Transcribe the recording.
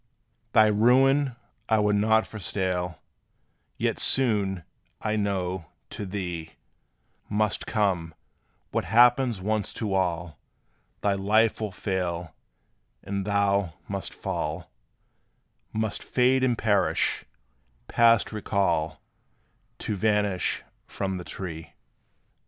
Thy ruin I would not forestall; Yet soon, I know, to thee Must come, what happens once to all: Thy life will fail, and thou must fall Must fade and perish, past recall, To vanish from the tree.